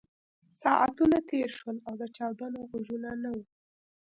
ساعتونه تېر شول او د چاودنو غږونه نه وو